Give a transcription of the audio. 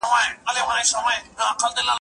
په ما څه راغلل د قاف له لویو غرو نه